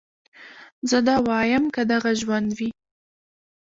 زه دا واييم که دغه ژوند وي